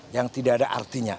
yang tidak ada artinya